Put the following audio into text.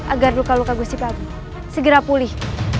agar luka luka gusti prabu segera pulih